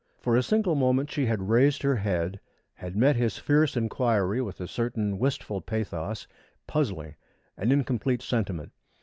For a single moment she had raised her head, had met his fierce inquiry with a certain wistful pathos, puzzling, an incomplete sentiment.